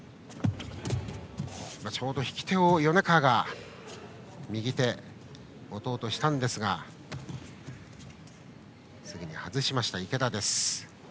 ちょうど引き手を米川が右手、持とうとしたんですがすぐに外した池田。